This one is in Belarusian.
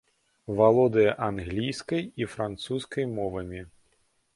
Валодае англійскай і французскай мовамі.